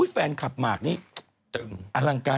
แฟนคลับหมากนี่อลังการ